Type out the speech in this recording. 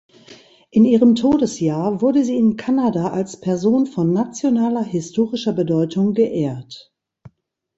In ihrem Todesjahr wurde sie in Kanada als „Person von nationaler historischer Bedeutung“ geehrt.